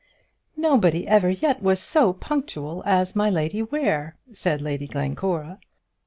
"Nobody ever yet was so punctual as my Lady Ware," said Lady Glencora.